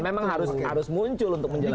memang harus muncul untuk menjawab